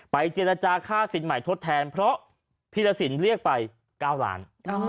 เจรจาค่าสินใหม่ทดแทนเพราะพีรสินเรียกไป๙ล้าน